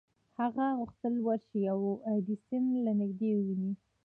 هغه غوښتل ورشي او ایډېسن له نږدې وويني.